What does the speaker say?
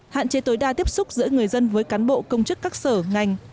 hạn chế tối đa tiếp xúc giữa người dân với cán bộ công chức các sở ngành